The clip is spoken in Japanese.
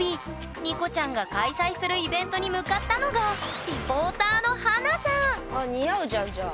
ＮＩＣＯちゃんが開催するイベントに向かったのがあ似合うじゃんじゃあ。